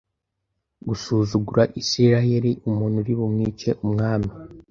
gusuzugura Isirayeli Umuntu uri bumwice umwami